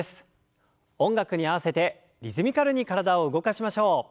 音楽に合わせてリズミカルに体を動かしましょう。